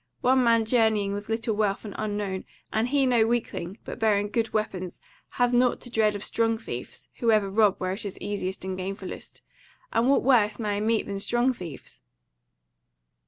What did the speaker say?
One man journeying with little wealth, and unknown, and he no weakling, but bearing good weapons, hath nought to dread of strong thieves, who ever rob where it is easiest and gainfullest. And what worse may I meet than strong thieves?"